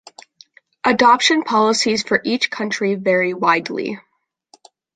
Adoption policies for each country vary widely.